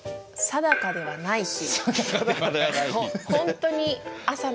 「定かではない日」。